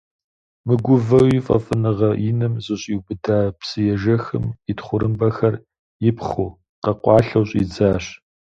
Мыгувэуи фӀэфӀыныгъэ иным зэщӀиубыда псыежэхым, и тхъурымбэхэр ипхъыу, къэкъуалъэу щӀидзащ.